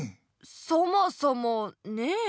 そもそもねえ。